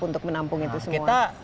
untuk menampung itu semua